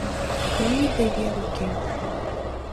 — Лийде вер уке...